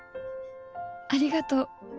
ありがとう。